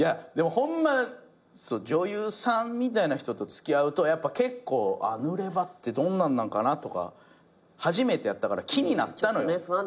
ホンマ女優さんみたいな人と付き合うと結構ぬれ場ってどんなんなんかなとか初めてやったから気になったのよ。